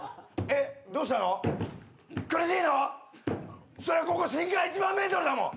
えっどうしよう。